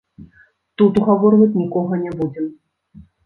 Тут угаворваць нікога не будзем.